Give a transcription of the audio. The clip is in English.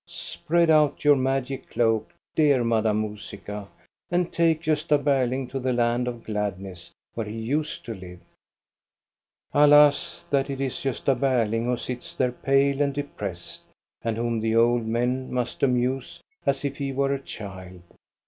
Spread out your magic cloak, dear Madame Musica, and take Gosta Berling to the land of gladness, where he used to live. Alas that it is Gosta Berling who sits there pale and depressed, and whom the old men must amuse as if he were a child.